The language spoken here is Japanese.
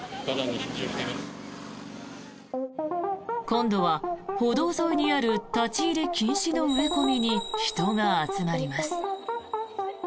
今度は歩道沿いにある立ち入り禁止の植え込みに人が集まります。